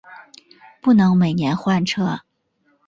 不能每年换车